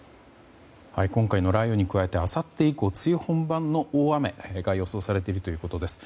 今回の雷雨に加えてあさって以降、梅雨本番の大雨が予想されているということです。